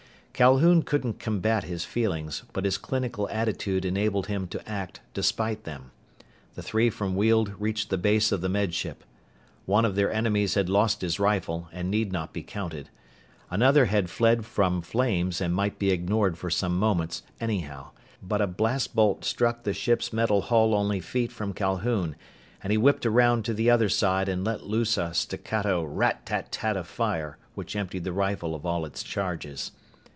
Calhoun couldn't combat his feelings, but his clinical attitude enabled him to act despite them. The three from Weald reached the base of the Med Ship. One of their enemies had lost his rifle and need not be counted. Another had fled from flames and might be ignored for some moments, anyhow. But a blast bolt struck the ship's metal hull only feet from Calhoun, and he whipped around to the other side and let loose a staccato rat tat tat of fire which emptied the rifle of all its charges.